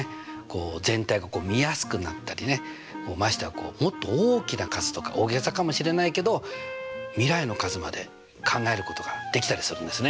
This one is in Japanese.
全体が見やすくなったりねましてやもっと大きな数とか大げさかもしれないけど未来の数まで考えることができたりするんですね。